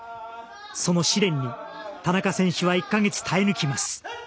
その試練に田中選手は１か月、耐え抜きます。